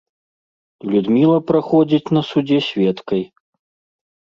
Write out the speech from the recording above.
Людміла праходзіць на судзе сведкай.